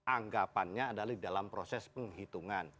anggapannya dalam proses penghitungan